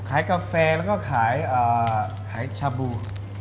กาแฟแล้วก็ขายชาบู